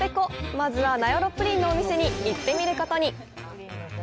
まずは、名寄プリンのお店に行ってみることに。